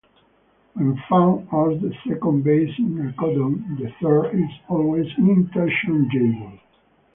When found as the second base in a codon, the third is always interchangeable.